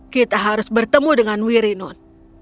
kita harus bertemu dengan wirinun